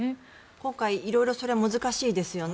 今回色々それは難しいですよね。